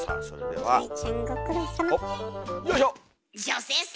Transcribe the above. はい。